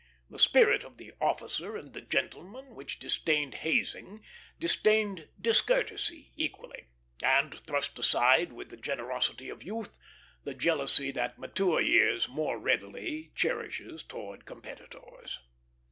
The spirit of the officer and the gentleman, which disdained hazing, disdained discourtesy equally, and thrust aside with the generosity of youth the jealousy that mature years more readily cherishes towards competitors.